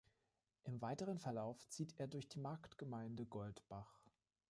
Im weiteren Verlauf zieht er durch die Marktgemeinde Goldbach.